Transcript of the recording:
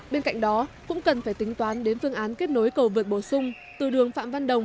bên cạnh đó cũng cần phải tính toán đến phương án kết nối cầu vượt bổ sung từ đường phạm văn đồng